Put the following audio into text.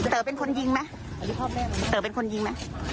เตอร์เป็นคนยิงไหม